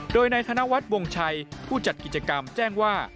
โดยนายธนวัฒน์วงชัยผู้จัดกิจกรรมแจ้งว่า